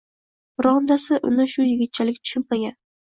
Birontasi uni shu yigitchalik tushunmagan.